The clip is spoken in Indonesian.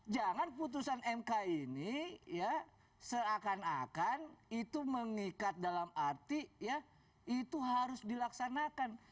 jangan putusan mk ini ya seakan akan itu mengikat dalam arti ya itu harus dilaksanakan